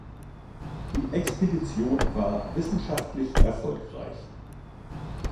Die Expedition war wissenschaftlich erfolgreich.